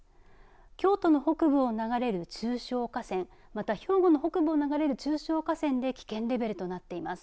京都の北部を流れる中小河川また、兵庫の北部を流れる中小河川で危険レベルとなっています。